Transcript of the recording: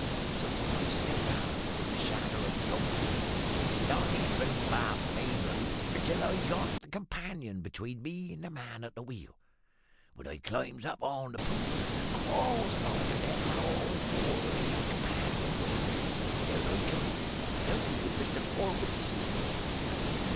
So I slips aft, in the shadder of the long boat, and dodges round abaft the mainmast until I got the companion between me and the man at the wheel, when I climbs up on the poop, and crawls along the deck on all fours to the companion way; then down I comes, without even Mr Forbes seein' me."